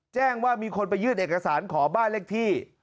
แจ้งว่ามีคนไปยื่นเอกสารขอบ้านเลขที่